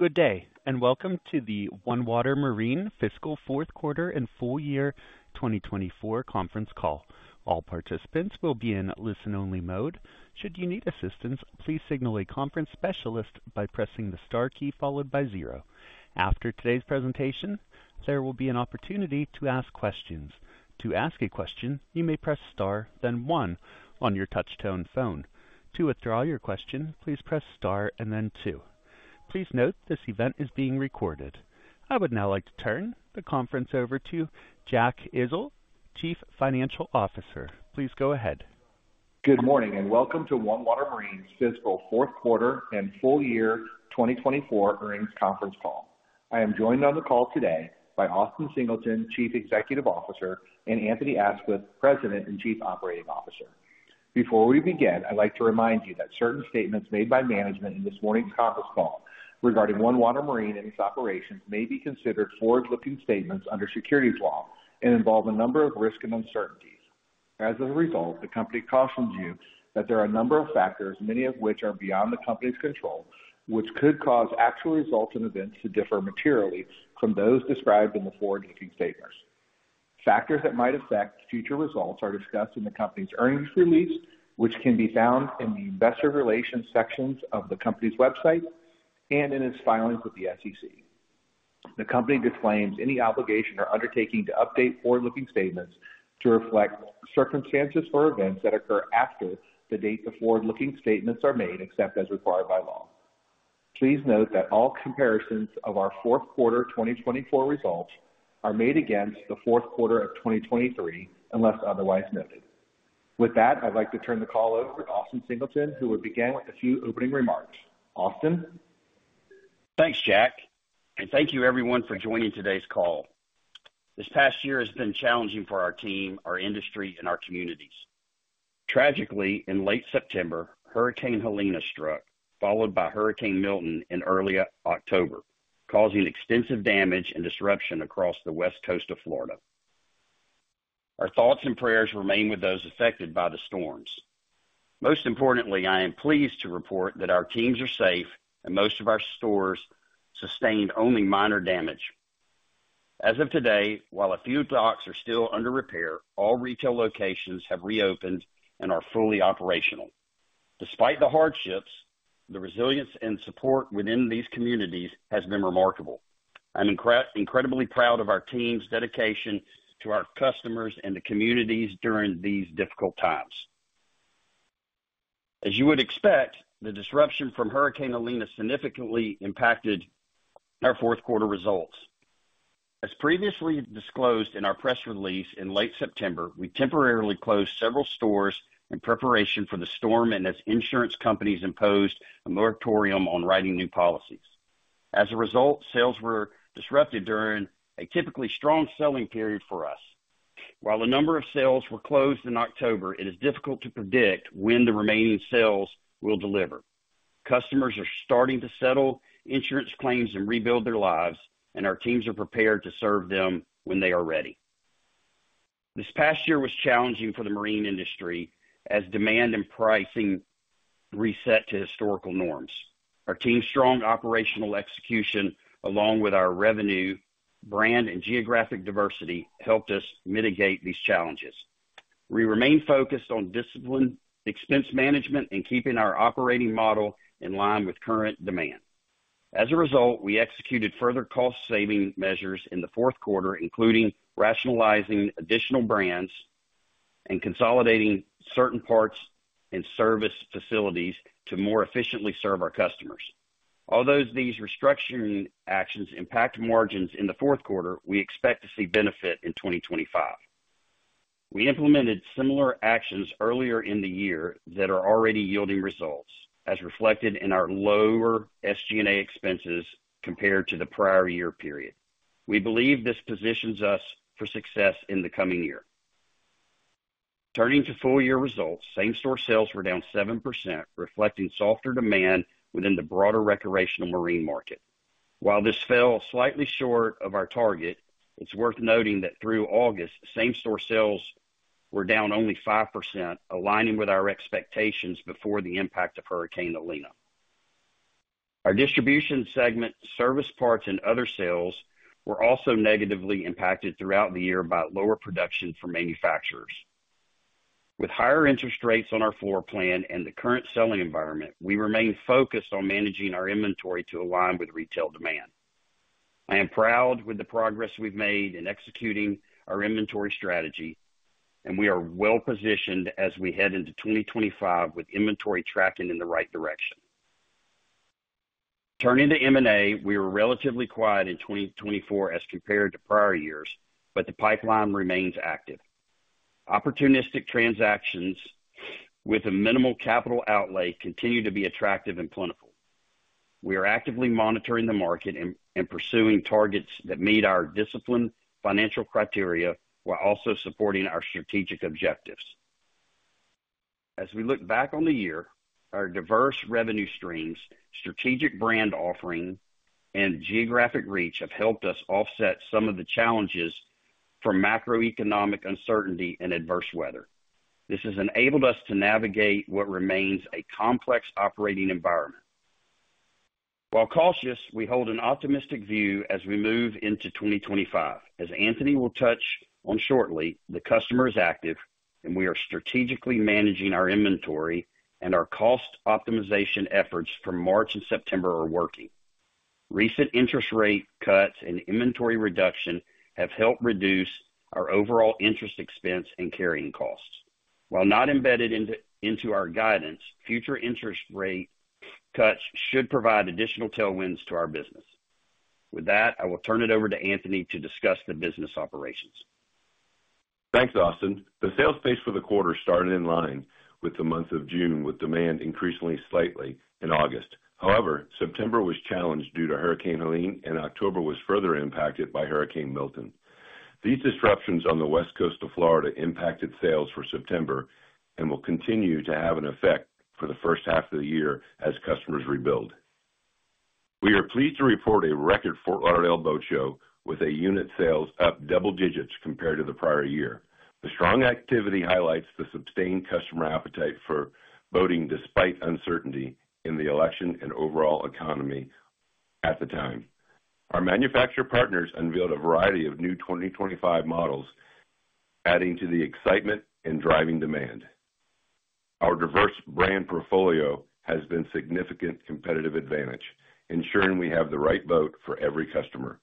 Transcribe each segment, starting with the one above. Good day, and welcome to the OneWater Marine Fiscal Fourth Quarter and Full Year 2024 Conference Call. All participants will be in listen-only mode. Should you need assistance, please signal a conference specialist by pressing the star key followed by zero. After today's presentation, there will be an opportunity to ask questions. To ask a question, you may press star, then one on your touch-tone phone. To withdraw your question, please press star and then two. Please note this event is being recorded. I would now like to turn the conference over to Jack Ezzell, Chief Financial Officer. Please go ahead. Good morning, and welcome to OneWater Marine Fiscal Fourth Quarter and Full Year 2024 Earnings Conference Call. I am joined on the call today by Austin Singleton, Chief Executive Officer, and Anthony Aisquith, President and Chief Operating Officer. Before we begin, I'd like to remind you that certain statements made by management in this morning's conference call regarding OneWater Marine and its operations may be considered forward-looking statements under securities law and involve a number of risks and uncertainties. As a result, the company cautions you that there are a number of factors, many of which are beyond the company's control, which could cause actual results and events to differ materially from those described in the forward-looking statements. Factors that might affect future results are discussed in the company's earnings release, which can be found in the investor relations sections of the company's website and in its filings with the SEC. The company disclaims any obligation or undertaking to update forward-looking statements to reflect circumstances or events that occur after the date the forward-looking statements are made, except as required by law. Please note that all comparisons of our fourth quarter 2024 results are made against the fourth quarter of 2023 unless otherwise noted. With that, I'd like to turn the call over to Austin Singleton, who will begin with a few opening remarks. Austin? Thanks, Jack, and thank you, everyone, for joining today's call. This past year has been challenging for our team, our industry, and our communities. Tragically, in late September, Hurricane Helene struck, followed by Hurricane Milton in early October, causing extensive damage and disruption across the West Coast of Florida. Our thoughts and prayers remain with those affected by the storms. Most importantly, I am pleased to report that our teams are safe and most of our stores sustained only minor damage. As of today, while a few docks are still under repair, all retail locations have reopened and are fully operational. Despite the hardships, the resilience and support within these communities has been remarkable. I'm incredibly proud of our team's dedication to our customers and the communities during these difficult times. As you would expect, the disruption from Hurricane Helene significantly impacted our fourth quarter results. As previously disclosed in our press release in late September, we temporarily closed several stores in preparation for the storm and as insurance companies imposed a moratorium on writing new policies. As a result, sales were disrupted during a typically strong selling period for us. While a number of sales were closed in October, it is difficult to predict when the remaining sales will deliver. Customers are starting to settle insurance claims and rebuild their lives, and our teams are prepared to serve them when they are ready. This past year was challenging for the marine industry as demand and pricing reset to historical norms. Our team's strong operational execution, along with our revenue, brand, and geographic diversity, helped us mitigate these challenges. We remain focused on disciplined expense management and keeping our operating model in line with current demand. As a result, we executed further cost-saving measures in the fourth quarter, including rationalizing additional brands and consolidating certain parts and service facilities to more efficiently serve our customers. Although these restructuring actions impact margins in the fourth quarter, we expect to see benefit in 2025. We implemented similar actions earlier in the year that are already yielding results, as reflected in our lower SG&A expenses compared to the prior year period. We believe this positions us for success in the coming year. Turning to full-year results, same-store sales were down 7%, reflecting softer demand within the broader recreational marine market. While this fell slightly short of our target, it's worth noting that through August, same-store sales were down only 5%, aligning with our expectations before the impact of Hurricane Helene. Our distribution segment, service parts, and other sales were also negatively impacted throughout the year by lower production from manufacturers. With higher interest rates on our floor plan and the current selling environment, we remain focused on managing our inventory to align with retail demand. I am proud with the progress we've made in executing our inventory strategy, and we are well-positioned as we head into 2025 with inventory tracking in the right direction. Turning to M&A, we were relatively quiet in 2024 as compared to prior years, but the pipeline remains active. Opportunistic transactions with a minimal capital outlay continue to be attractive and plentiful. We are actively monitoring the market and pursuing targets that meet our disciplined financial criteria while also supporting our strategic objectives. As we look back on the year, our diverse revenue streams, strategic brand offering, and geographic reach have helped us offset some of the challenges from macroeconomic uncertainty and adverse weather. This has enabled us to navigate what remains a complex operating environment. While cautious, we hold an optimistic view as we move into 2025, as Anthony will touch on shortly. The customer is active, and we are strategically managing our inventory, and our cost optimization efforts from March and September are working. Recent interest rate cuts and inventory reductions have helped reduce our overall interest expense and carrying costs. While not embedded into our guidance, future interest rate cuts should provide additional tailwinds to our business. With that, I will turn it over to Anthony to discuss the business operations. Thanks, Austin. The sales pace for the quarter started in line with the month of June, with demand increasing slightly in August. However, September was challenged due to Hurricane Helene, and October was further impacted by Hurricane Milton. These disruptions on the West Coast of Florida impacted sales for September and will continue to have an effect for the first half of the year as customers rebuild. We are pleased to report a record Fort Lauderdale Boat show, with unit sales up double digits compared to the prior year. The strong activity highlights the sustained customer appetite for boating despite uncertainty in the election and overall economy at the time. Our manufacturer partners unveiled a variety of new 2025 models, adding to the excitement and driving demand. Our diverse brand portfolio has been a significant competitive advantage, ensuring we have the right boat for every customer,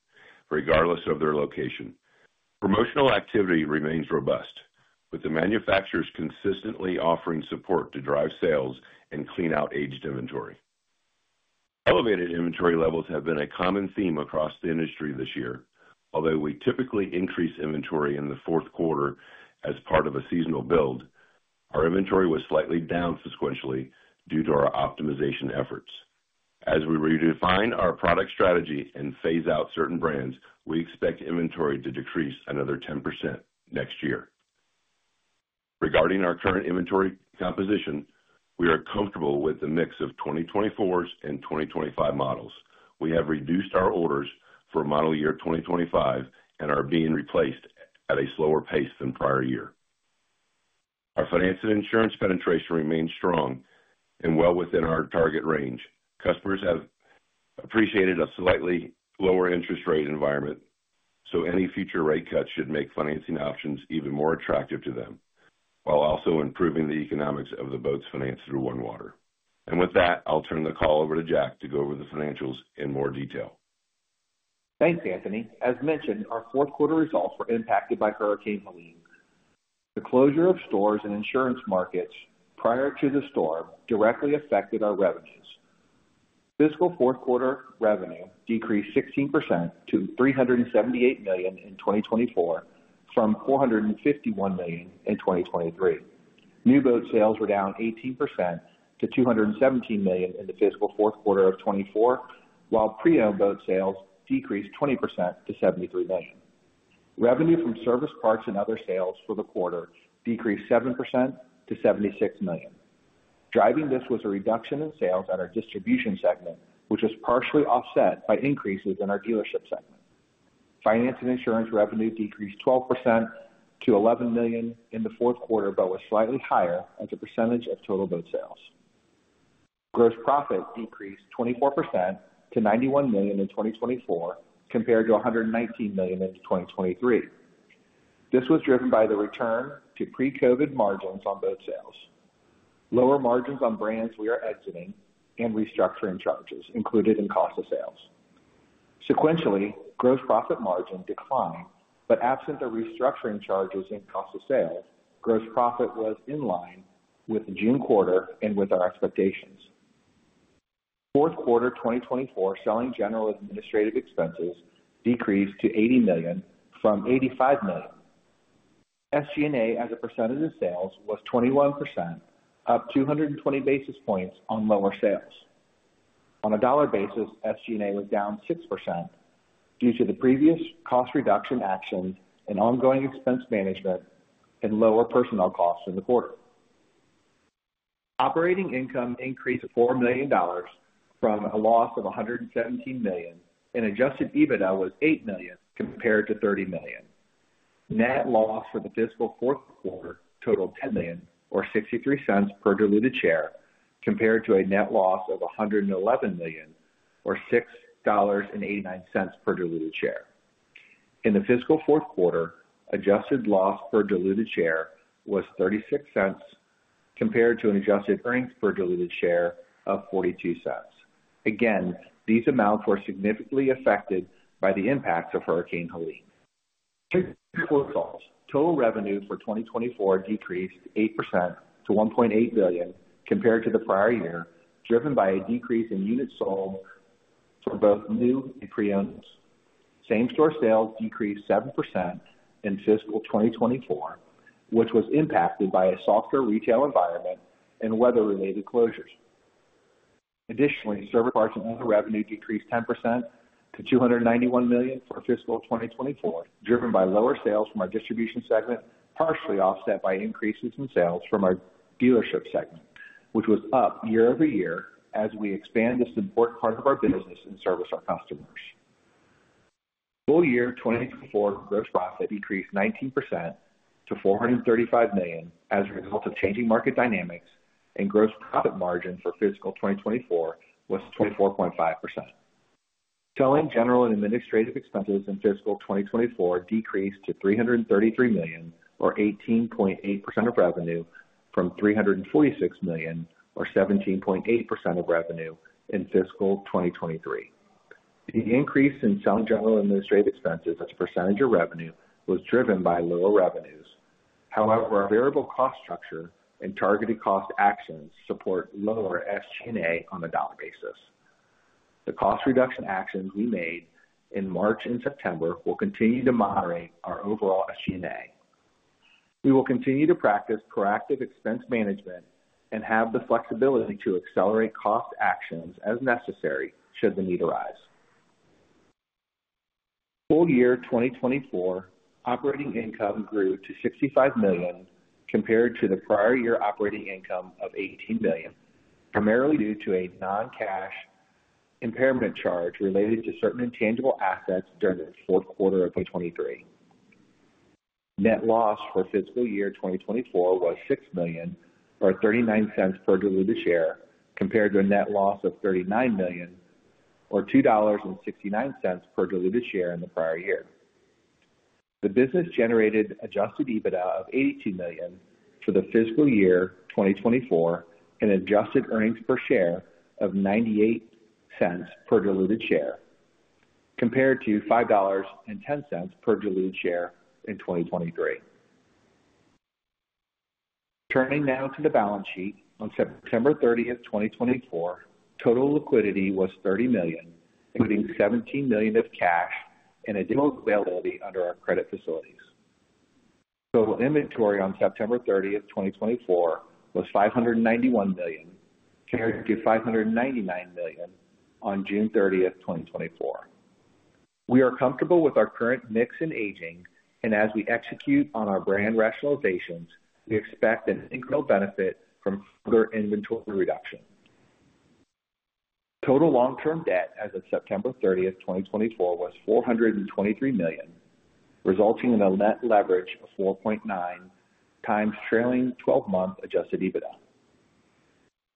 regardless of their location. Promotional activity remains robust, with the manufacturers consistently offering support to drive sales and clean out aged inventory. Elevated inventory levels have been a common theme across the industry this year. Although we typically increase inventory in the fourth quarter as part of a seasonal build, our inventory was slightly down sequentially due to our optimization efforts. As we redefine our product strategy and phase out certain brands, we expect inventory to decrease another 10% next year. Regarding our current inventory composition, we are comfortable with the mix of 2024's and 2025 models. We have reduced our orders for model year 2025 and are being replaced at a slower pace than prior year. Our finance and insurance penetration remains strong and well within our target range. Customers have appreciated a slightly lower interest rate environment, so any future rate cuts should make financing options even more attractive to them, while also improving the economics of the boats financed through OneWater. And with that, I'll turn the call over to Jack to go over the financials in more detail. Thanks, Anthony. As mentioned, our fourth quarter results were impacted by Hurricane Helene. The closure of stores and insurance markets prior to the storm directly affected our revenues. Fiscal fourth quarter revenue decreased 16% to $378 million in 2024 from $451 million in 2023. New boat sales were down 18% to $217 million in the fiscal fourth quarter of 2024, while pre-owned boat sales decreased 20% to $73 million. Revenue from service parts and other sales for the quarter decreased 7% to $76 million. Driving this was a reduction in sales at our distribution segment, which was partially offset by increases in our dealership segment. Finance and insurance revenue decreased 12% to $11 million in the fourth quarter, but was slightly higher as a percentage of total boat sales. Gross profit decreased 24% to $91 million in 2024 compared to $119 million in 2023. This was driven by the return to pre-COVID margins on boat sales, lower margins on brands we are exiting, and restructuring charges included in cost of sales. Sequentially, gross profit margin declined, but absent the restructuring charges and cost of sales, gross profit was in line with the June quarter and with our expectations. Fourth quarter 2024 Selling, General, and Administrative expenses decreased to $80 million from $85 million. SG&A as a percentage of sales was 21%, up 220 basis points on lower sales. On a dollar basis, SG&A was down 6% due to the previous cost reduction actions and ongoing expense management and lower personnel costs in the quarter. Operating income increased $4 million from a loss of $117 million, and Adjusted EBITDA was $8 million compared to $30 million. Net loss for the fiscal fourth quarter totaled $10 million, or $0.63 per diluted share, compared to a net loss of $111 million, or $6.89 per diluted share. In the fiscal fourth quarter, adjusted loss per diluted share was $0.36 compared to an adjusted earnings per diluted share of $0.42. Again, these amounts were significantly affected by the impacts of Hurricane Helene. Fiscal results, total revenue for 2024 decreased 8% to $1.8 billion compared to the prior year, driven by a decrease in units sold for both new and pre-owneds. Same-store sales decreased 7% in fiscal 2024, which was impacted by a softer retail environment and weather-related closures. Additionally, service parts and other revenue decreased 10% to $291 million for fiscal 2024, driven by lower sales from our distribution segment, partially offset by increases in sales from our dealership segment, which was up year over year as we expand this important part of our business and service our customers. Full-year 2024 gross profit decreased 19% to $435 million as a result of changing market dynamics, and gross profit margin for fiscal 2024 was 24.5%. Selling, general, and administrative expenses in fiscal 2024 decreased to $333 million, or 18.8% of revenue, from $346 million, or 17.8% of revenue in fiscal 2023. The increase in selling, general, and administrative expenses as a percentage of revenue was driven by lower revenues. However, our variable cost structure and targeted cost actions support lower SG&A on a dollar basis. The cost reduction actions we made in March and September will continue to moderate our overall SG&A. We will continue to practice proactive expense management and have the flexibility to accelerate cost actions as necessary should the need arise. Full-year 2024 operating income grew to $65 million compared to the prior year operating income of $18 million, primarily due to a non-cash impairment charge related to certain intangible assets during the fourth quarter of 2023. Net loss for fiscal year 2024 was $6 million, or $0.39 per diluted share, compared to a net loss of $39 million, or $2.69 per diluted share in the prior year. The business generated adjusted EBITDA of $82 million for the fiscal year 2024 and adjusted earnings per share of $0.98 per diluted share, compared to $5.10 per diluted share in 2023. Turning now to the balance sheet, on September 30, 2024, total liquidity was $30 million, including $17 million of cash and additional availability under our credit facilities. Total inventory on September 30, 2024, was $591 million, compared to $599 million on June 30, 2024. We are comfortable with our current mix and aging, and as we execute on our brand rationalizations, we expect an incremental benefit from further inventory reduction. Total long-term debt as of September 30, 2024, was $423 million, resulting in a net leverage of 4.9 times trailing 12-month adjusted EBITDA.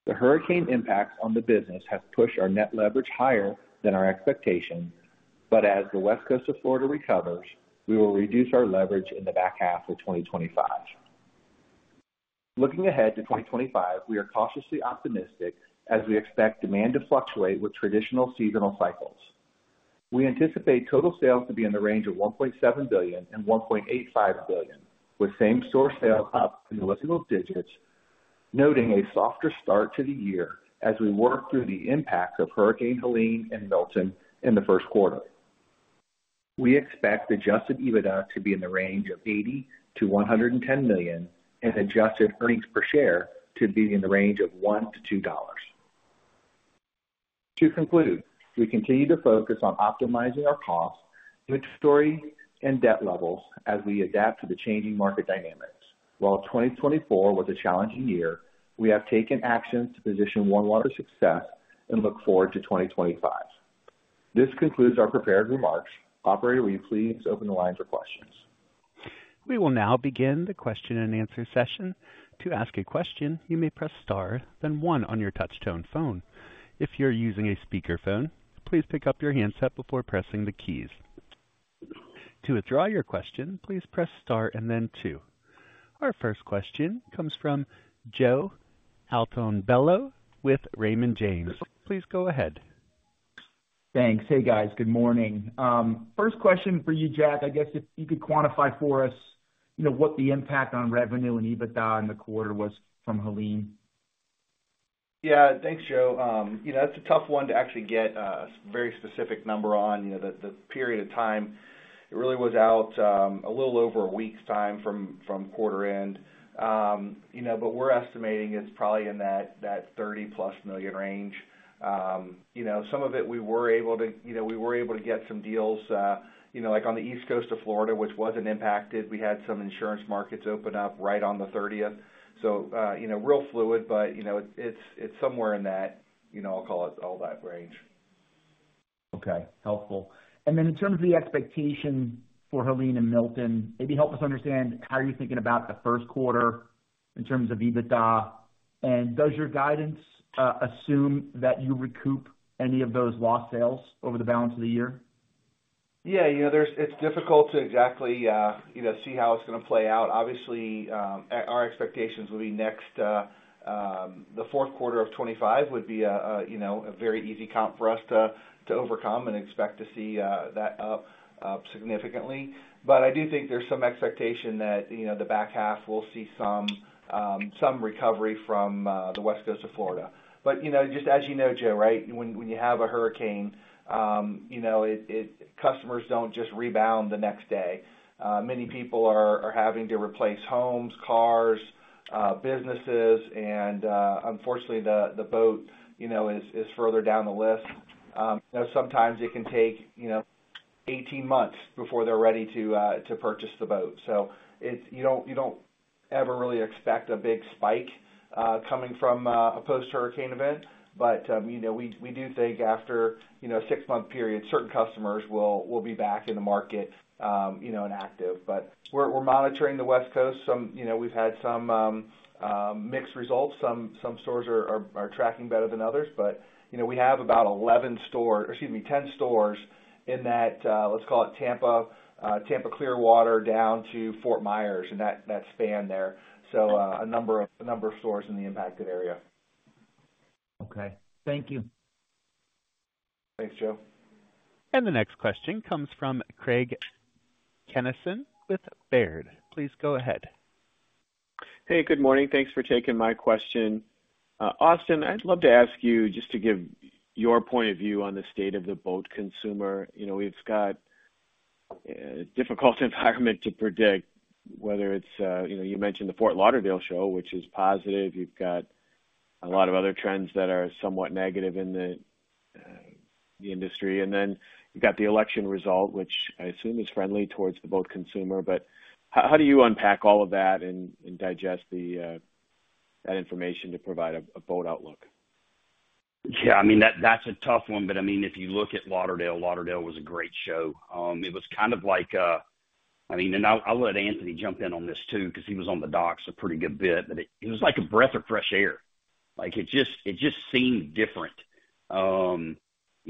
The hurricane impacts on the business have pushed our net leverage higher than our expectations, but as the West Coast of Florida recovers, we will reduce our leverage in the back half of 2025. Looking ahead to 2025, we are cautiously optimistic as we expect demand to fluctuate with traditional seasonal cycles. We anticipate total sales to be in the range of $1.7-$1.85 billion, with same-store sales up in the decimal digits, noting a softer start to the year as we work through the impacts of Hurricane Helene and Milton in the first quarter. We expect Adjusted EBITDA to be in the range of $80-$110 million and adjusted earnings per share to be in the range of $1-$2. To conclude, we continue to focus on optimizing our cost, inventory, and debt levels as we adapt to the changing market dynamics. While 2024 was a challenging year, we have taken actions to position OneWater's success and look forward to 2025. This concludes our prepared remarks. Operator, you please open the lines for questions. We will now begin the question and answer session. To ask a question, you may press Star, then 1 on your touch-tone phone. If you're using a speakerphone, please pick up your handset before pressing the keys. To withdraw your question, please press star and then two. Our first question comes from Joe Altobello with Raymond James. Please go ahead. Thanks. Hey, guys. Good morning. First question for you, Jack, I guess if you could quantify for us what the impact on revenue and EBITDA in the quarter was from Helene? Yeah, thanks, Joe. That's a tough one to actually get a very specific number on. The period of time, it really was out a little over a week's time from quarter end. But we're estimating it's probably in that $30-plus million range. Some of it we were able to get some deals. Like on the East Coast of Florida, which wasn't impacted, we had some insurance markets open up right on the 30th. So real fluid, but it's somewhere in that, I'll call it, all that range. Okay. Helpful. And then in terms of the expectation for Helene and Milton, maybe help us understand how you're thinking about the first quarter in terms of EBITDA. And does your guidance assume that you recoup any of those lost sales over the balance of the year? Yeah. It's difficult to exactly see how it's going to play out. Obviously, our expectations will be next the fourth quarter of 2025 would be a very easy count for us to overcome and expect to see that up significantly. But I do think there's some expectation that the back half will see some recovery from the West Coast of Florida. But just as you know, Joe, right, when you have a hurricane, customers don't just rebound the next day. Many people are having to replace homes, cars, businesses, and unfortunately, the boat is further down the list. Sometimes it can take 18 months before they're ready to purchase the boat. So you don't ever really expect a big spike coming from a post-hurricane event. But we do think after a six-month period, certain customers will be back in the market and active. But we're monitoring the West Coast. We've had some mixed results. Some stores are tracking better than others. But we have about 11 stores or, excuse me, 10 stores in that, let's call it, Tampa Clearwater down to Fort Myers in that span there. So a number of stores in the impacted area. Okay. Thank you. Thanks, Joe. The next question comes from Craig Kennison with Baird. Please go ahead. Hey, good morning. Thanks for taking my question. Austin, I'd love to ask you just to give your point of view on the state of the boat consumer. We've got a difficult environment to predict whether it's, you mentioned, the Fort Lauderdale show, which is positive. You've got a lot of other trends that are somewhat negative in the industry. And then you've got the election result, which I assume is friendly towards the boat consumer. But how do you unpack all of that and digest that information to provide a boat outlook? Yeah. I mean, that's a tough one. But I mean, if you look at Lauderdale, Lauderdale was a great show. It was kind of like a I mean, and I'll let Anthony jump in on this too because he was on the docks a pretty good bit. But it was like a breath of fresh air. It just seemed different. And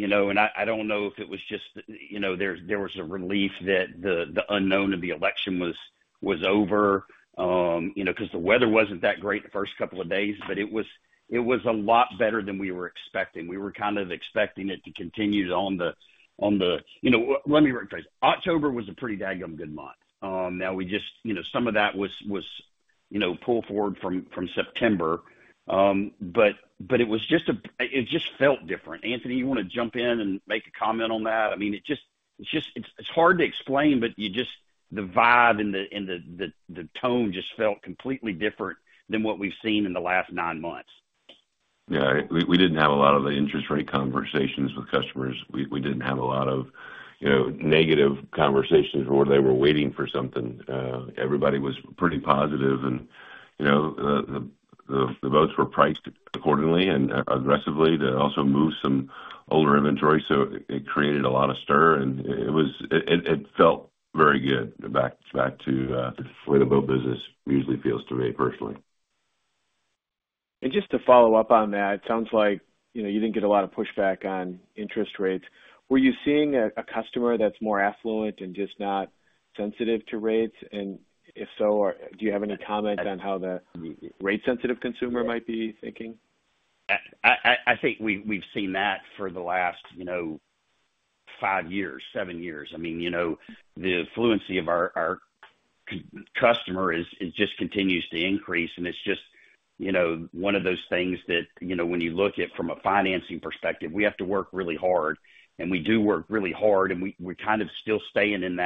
I don't know if it was just there was a relief that the unknown of the election was over because the weather wasn't that great the first couple of days, but it was a lot better than we were expecting. We were kind of expecting it to continue on the let me rephrase. October was a pretty dang good month. Now, we just some of that was pulled forward from September. But it was just a it just felt different. Anthony, you want to jump in and make a comment on that? I mean, it's just hard to explain, but the vibe and the tone just felt completely different than what we've seen in the last nine months. Yeah. We didn't have a lot of the interest rate conversations with customers. We didn't have a lot of negative conversations where they were waiting for something. Everybody was pretty positive, and the boats were priced accordingly and aggressively to also move some older inventory. So it created a lot of stir, and it felt very good back to the way the boat business usually feels to me personally. And just to follow up on that, it sounds like you didn't get a lot of pushback on interest rates. Were you seeing a customer that's more affluent and just not sensitive to rates? And if so, do you have any comment on how the rate-sensitive consumer might be thinking? I think we've seen that for the last five years, seven years. I mean, the affluence of our customer just continues to increase, and it's just one of those things that when you look at from a financing perspective, we have to work really hard, and we do work really hard, and we're kind of still staying in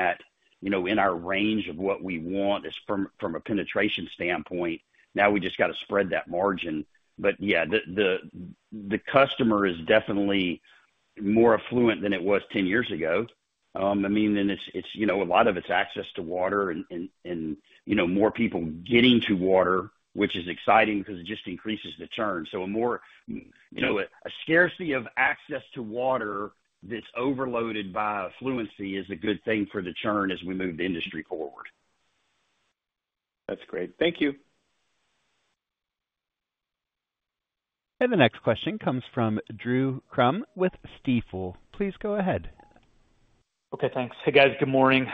our range of what we want from a penetration standpoint. Now, we just got to spread that margin. But yeah, the customer is definitely more affluent than it was 10 years ago. I mean, and it's a lot of its access to water and more people getting to water, which is exciting because it just increases the churn. So a scarcity of access to water that's overloaded by affluence is a good thing for the churn as we move the industry forward. That's great. Thank you. The next question comes from Drew Crum with Stifel. Please go ahead. Okay. Thanks. Hey, guys. Good morning.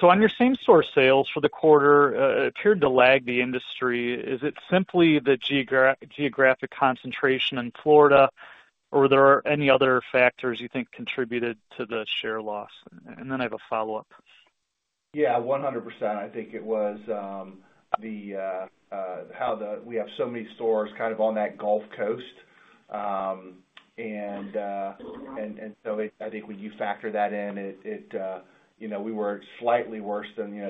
So on your same-store sales, for the quarter, appeared to lag the industry. Is it simply the geographic concentration in Florida, or were there any other factors you think contributed to the share loss? And then I have a follow-up. Yeah. 100%. I think it was how we have so many stores kind of on that Gulf Coast, and so I think when you factor that in, we were slightly worse than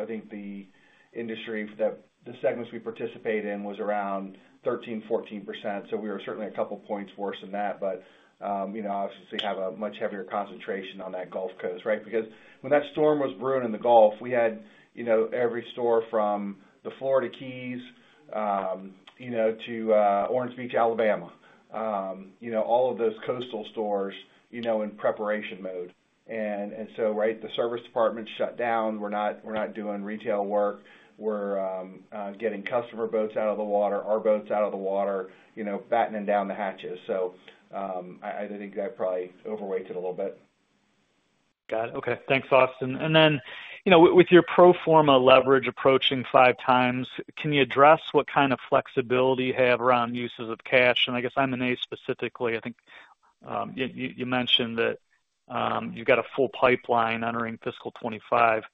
I think the industry that the segments we participate in was around 13%-14%. So we were certainly a couple of points worse than that, but obviously have a much heavier concentration on that Gulf Coast, right? Because when that storm was brewing in the Gulf, we had every store from the Florida Keys to Orange Beach, Alabama, all of those coastal stores in preparation mode, and so, right, the service department shut down. We're not doing retail work. We're getting customer boats out of the water, our boats out of the water, battening down the hatches, so I think that probably overweighted a little bit. Got it. Okay. Thanks, Austin. And then with your pro forma leverage approaching five times, can you address what kind of flexibility you have around uses of cash? And I guess I'm in A specifically. I think you mentioned that you've got a full pipeline entering fiscal 2025.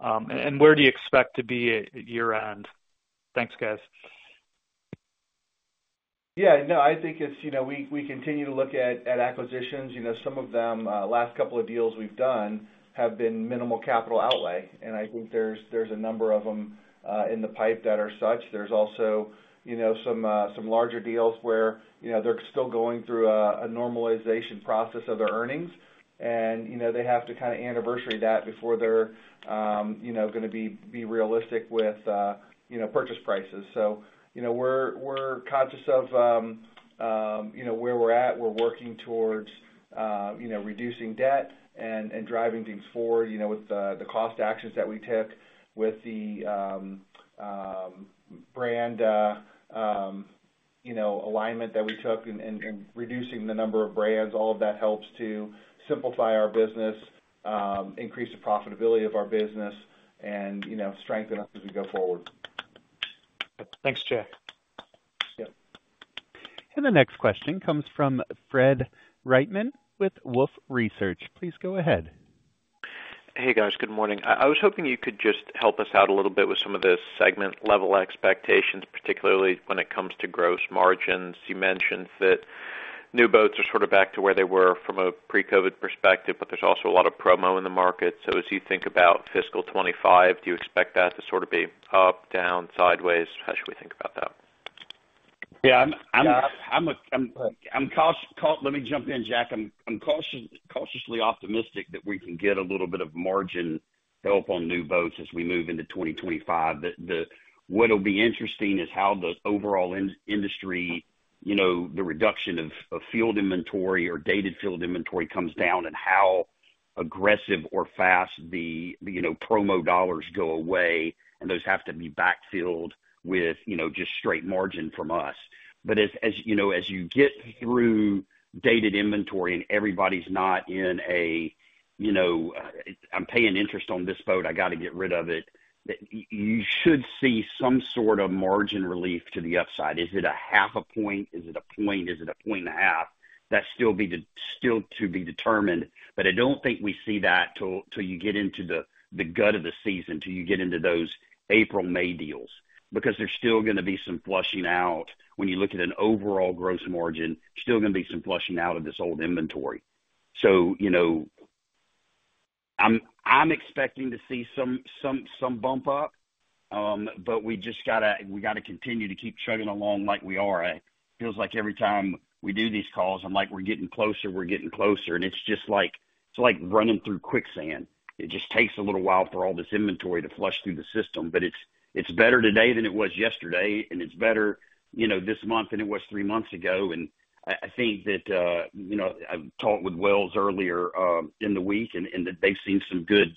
And where do you expect to be at year-end? Thanks, guys. Yeah. No, I think we continue to look at acquisitions. Some of them, last couple of deals we've done, have been minimal capital outlay. And I think there's a number of them in the pipe that are such. There's also some larger deals where they're still going through a normalization process of their earnings, and they have to kind of anniversary that before they're going to be realistic with purchase prices. So we're conscious of where we're at. We're working towards reducing debt and driving things forward with the cost actions that we took with the brand alignment that we took and reducing the number of brands. All of that helps to simplify our business, increase the profitability of our business, and strengthen us as we go forward. Thanks, Jack. Yep. And the next question comes from Fred Wightman with Wolfe Research. Please go ahead. Hey, guys. Good morning. I was hoping you could just help us out a little bit with some of the segment-level expectations, particularly when it comes to gross margins. You mentioned that new boats are sort of back to where they were from a pre-COVID perspective, but there's also a lot of promo in the market. So as you think about fiscal 2025, do you expect that to sort of be up, down, sideways? How should we think about that? Yeah. I'm cautious, let me jump in, Jack. I'm cautiously optimistic that we can get a little bit of margin help on new boats as we move into 2025. What'll be interesting is how the overall industry, the reduction of field inventory or dated field inventory comes down and how aggressive or fast the promo dollars go away. And those have to be backfilled with just straight margin from us. But as you get through dated inventory and everybody's not in a, "I'm paying interest on this boat. I got to get rid of it," you should see some sort of margin relief to the upside. Is it a half a point? Is it a point? Is it a point and a half? That's still to be determined. But I don't think we see that till you get into the gut of the season, till you get into those April, May deals, because there's still going to be some flushing out. When you look at an overall gross margin, there's still going to be some flushing out of this old inventory. So I'm expecting to see some bump up, but we just got to continue to keep chugging along like we are. It feels like every time we do these calls, I'm like, "We're getting closer. We're getting closer." And it's just like running through quicksand. It just takes a little while for all this inventory to flush through the system. But it's better today than it was yesterday, and it's better this month than it was three months ago. I think that I've talked with Wells earlier in the week and that they've seen some good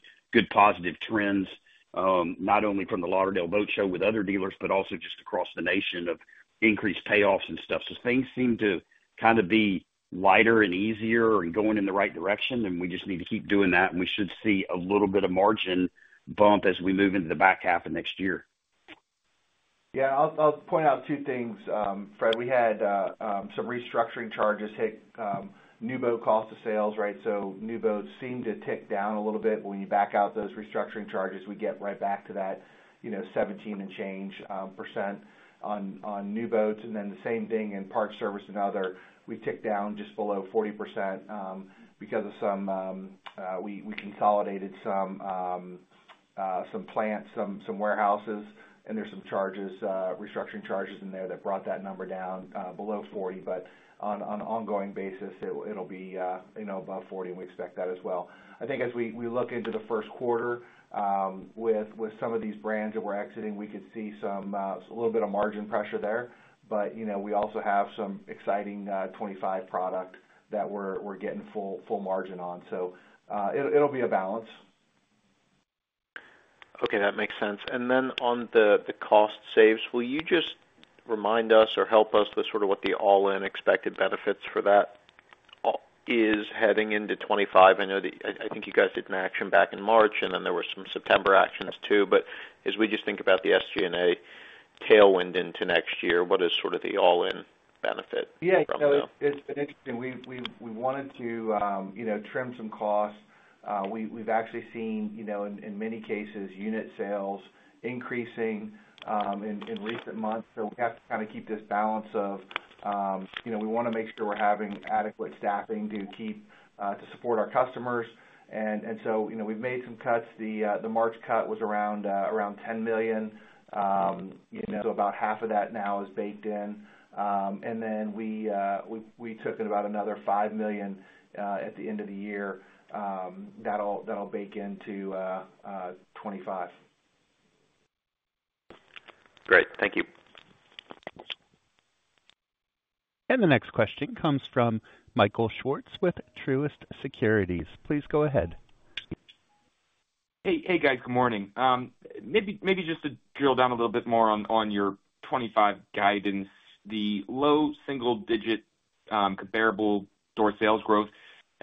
positive trends, not only from the Fort Lauderdale Boat Show with other dealers, but also just across the nation of increased payoffs and stuff. So things seem to kind of be lighter and easier and going in the right direction. And we just need to keep doing that, and we should see a little bit of margin bump as we move into the back half of next year. Yeah. I'll point out two things, Fred. We had some restructuring charges hit. New boat cost of sales, right? So new boats seem to tick down a little bit. When you back out those restructuring charges, we get right back to that 17 and change % on new boats. And then the same thing in parts service and other. We ticked down just below 40% because we consolidated some plants, some warehouses, and there's some charges, restructuring charges in there that brought that number down below 40. But on an ongoing basis, it'll be above 40, and we expect that as well. I think as we look into the first quarter with some of these brands that we're exiting, we could see a little bit of margin pressure there. But we also have some exciting '25 product that we're getting full margin on. So it'll be a balance. Okay. That makes sense. And then on the cost saves, will you just remind us or help us with sort of what the all-in expected benefits for that is heading into 2025? I think you guys did an action back in March, and then there were some September actions too. But as we just think about the SG&A tailwind into next year, what is sort of the all-in benefit from them? Yeah, so it's been interesting. We wanted to trim some costs. We've actually seen, in many cases, unit sales increasing in recent months, so we have to kind of keep this balance of we want to make sure we're having adequate staffing to support our customers, and so we've made some cuts. The March cut was around $10 million, so about half of that now is baked in, and then we took in about another $5 million at the end of the year. That'll bake into 2025. Great. Thank you. The next question comes from Michael Swartz with Truist Securities. Please go ahead. Hey, guys. Good morning. Maybe just to drill down a little bit more on your '25 guidance, the low single-digit comparable store sales growth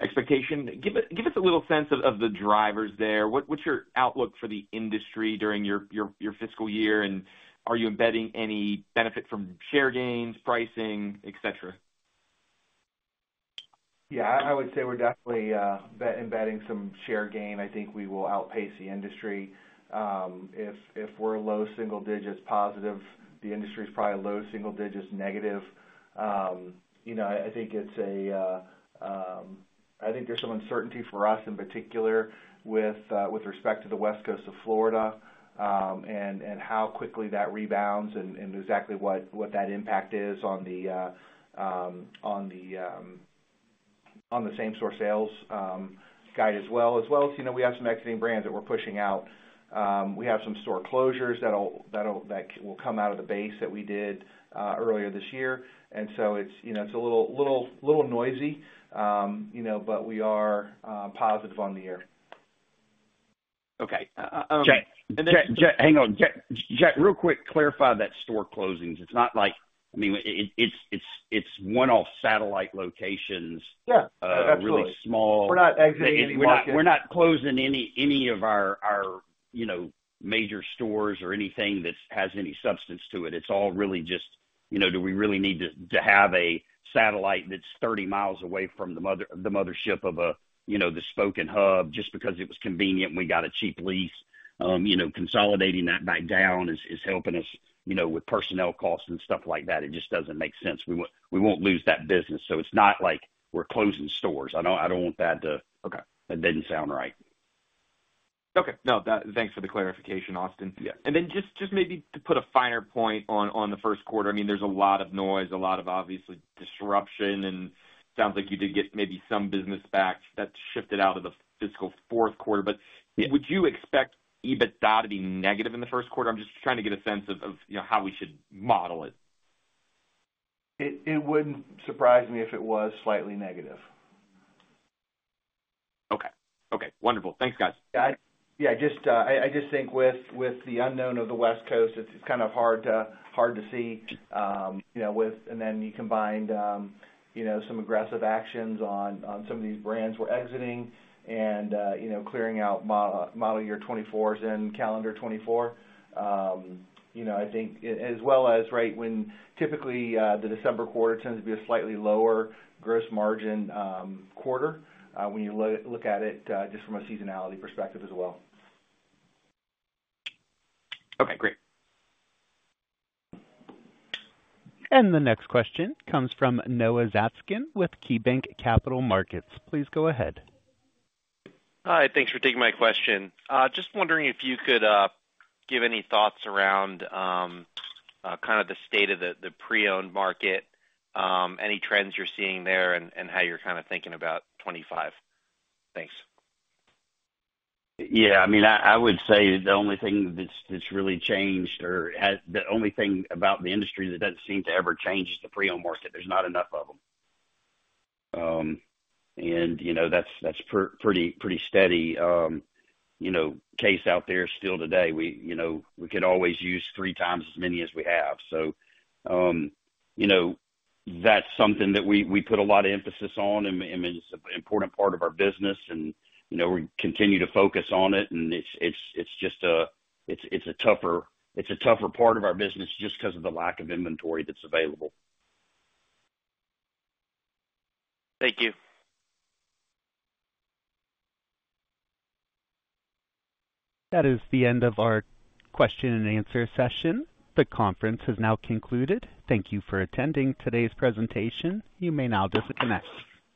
expectation. Give us a little sense of the drivers there. What's your outlook for the industry during your fiscal year? And are you embedding any benefit from share gains, pricing, etc.? Yeah. I would say we're definitely embedding some share gain. I think we will outpace the industry. If we're low single digits positive, the industry is probably low single digits negative. I think there's some uncertainty for us in particular with respect to the West Coast of Florida and how quickly that rebounds and exactly what that impact is on the same-store sales guide as well. As well as we have some exiting brands that we're pushing out. We have some store closures that will come out of the base that we did earlier this year. And so it's a little noisy, but we are positive on the year. Okay, and then. Jack. Jack. Hang on. Jack, real quick, clarify that store closings. It's not like, I mean, it's one-off satellite locations, really small. Yeah. That's right. We're not exiting any market. We're not closing any of our major stores or anything that has any substance to it. It's all really just, do we really need to have a satellite that's 30 miles away from the mothership of the spoken hub just because it was convenient and we got a cheap lease? Consolidating that back down is helping us with personnel costs and stuff like that. It just doesn't make sense. We won't lose that business. So it's not like we're closing stores. I don't want that. That didn't sound right. Okay. No, thanks for the clarification, Austin. Yeah. And then just maybe to put a finer point on the first quarter, I mean, there's a lot of noise, a lot of obviously disruption, and it sounds like you did get maybe some business back that shifted out of the fiscal fourth quarter. But would you expect EBITDA to be negative in the first quarter? I'm just trying to get a sense of how we should model it. It wouldn't surprise me if it was slightly negative. Okay. Okay. Wonderful. Thanks, guys. Yeah. I just think with the unknown of the West Coast, it's kind of hard to see. And then you combined some aggressive actions on some of these brands we're exiting and clearing out model year 2024s and calendar 2024, I think, as well as, right, when typically the December quarter tends to be a slightly lower gross margin quarter when you look at it just from a seasonality perspective as well. Okay. Great. The next question comes from Noah Zatzkin with KeyBanc Capital Markets. Please go ahead. Hi. Thanks for taking my question. Just wondering if you could give any thoughts around kind of the state of the pre-owned market, any trends you're seeing there, and how you're kind of thinking about 2025. Thanks. Yeah. I mean, I would say the only thing that's really changed or the only thing about the industry that doesn't seem to ever change is the pre-owned market. There's not enough of them. And that's pretty steady. That's the case out there still today. We could always use three times as many as we have. So that's something that we put a lot of emphasis on, and it's an important part of our business, and we continue to focus on it. And it's just a tougher part of our business just because of the lack of inventory that's available. Thank you. That is the end of our question and answer session. The conference has now concluded. Thank you for attending today's presentation. You may now disconnect.